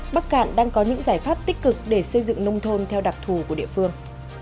bắc cạn đang có những giải pháp tích cực để xây dựng nông thôn theo đặc thù của địa phương